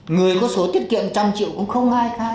người có số tiết kiệm một trăm linh triệu cũng không ai khai